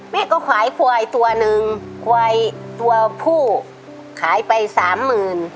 แม่ก็ขายควายตัวหนึ่งควายตัวผู้ขายไปสามหมื่น